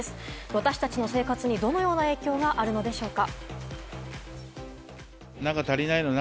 私たちの生活にどのような影響があるのでしょうか？